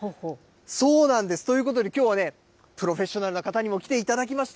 そうなんですね。ということできょうはね、プロフェッショナルな方にも来ていただきました。